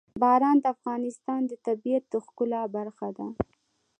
باران د افغانستان د طبیعت د ښکلا برخه ده.